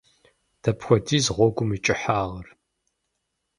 Дапхуэдиз гъуэгум и кӏыхьагъыр?